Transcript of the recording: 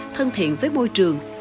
thân thiện với môi trường